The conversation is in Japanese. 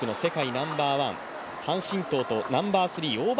ナンバーワン樊振東と、ナンバースリー王曼